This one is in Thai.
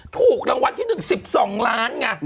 ถูกรางวัลที่๑๑๒ล้านไง